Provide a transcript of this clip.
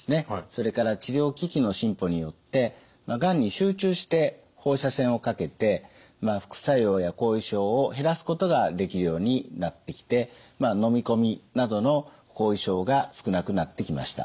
それから治療機器の進歩によってがんに集中して放射線をかけて副作用や後遺症を減らすことができるようになってきて飲み込みなどの後遺症が少なくなってきました。